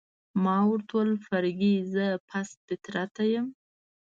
ما ورته وویل: فرګي، زه پست فطرته یم؟